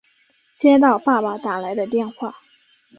接到爸爸打来的电话